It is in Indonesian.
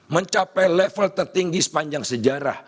mencapai level tertinggi sepanjang sejarah